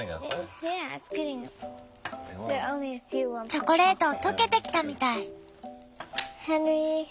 チョコレート溶けてきたみたい。